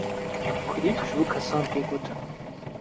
kulîlk ji bo kesan tê gotin.